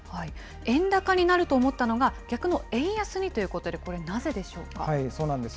円高になると思ったのが、逆の円安にということで、これなぜそうなんです。